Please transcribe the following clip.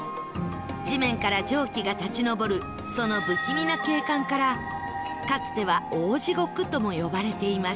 地面から蒸気が立ち上るその不気味な景観からかつては「大地獄」とも呼ばれていました